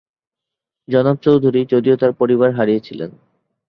জনাব চৌধুরী, যদিও তার পরিবার হারিয়েছিলেন।